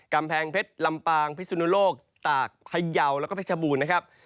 กำแพงเพชรลำปางพิสุนโลกตากพยาวแล้วก็เพชรบูรณ์นะครับ